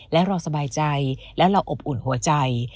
และเราสบายใจและเราอบอุ่นหัวใจ